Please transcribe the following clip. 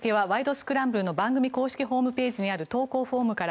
スクランブル」の番組公式ホームページにある投稿フォームから。